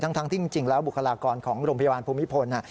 ทั้งที่จริงแล้วบุคลากรของโรงพยาบาลภูมิพล